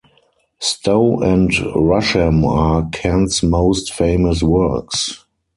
Stowe and Rousham are Kent's most famous works.